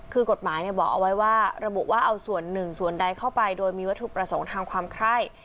คือกฎหมายบอกเอาไว้ว่าระบุว่าเอาส่วนหนึ่งส่วนใดเข้าไปโดยมีวัตถุประสงค์ทางความไคร่